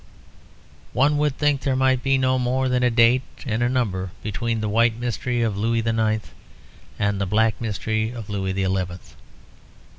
One would think there might be no more than a date and a number between the white mystery of Louis the Ninth and the black mystery of Louis the Eleventh.